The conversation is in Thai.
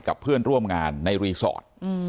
กับเพื่อนร่วมงานในรีสอร์ท